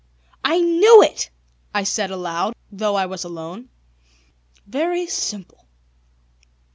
"I knew it!" I said aloud, though I was alone. "Very simple."